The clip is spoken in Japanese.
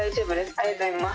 ありがとうございます。